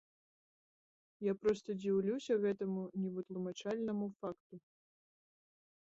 Я проста дзіўлюся гэтаму невытлумачальнаму факту.